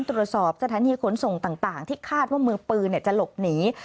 ตรวจสอบสถานีขนส่งต่างที่คาดว่ามือปืนจะหลบหนี